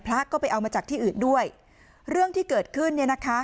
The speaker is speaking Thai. พระก็ไปเอามาจากที่อื่นด้วยเรื่องที่เกิดขึ้นเนี่ยนะคะ